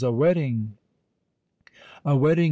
a wedding!" "A wedding!"